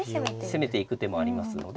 攻めていく手もありますので。